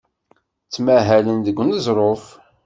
Ttmahalen deg uneẓruf.